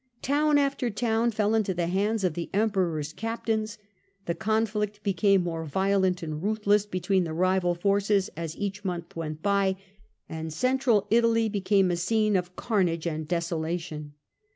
Town after town fell into the hands of the Emperor's captains. The conflict became more violent and ruthless between the rival forces as each month went by, and Central Italy became a scene of carnage and desolation.